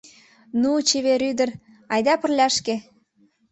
Ну, чевер ӱдыр, айда пырляшке!